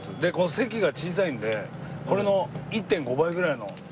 席が小さいんでこれの１．５倍ぐらいの１人の席が。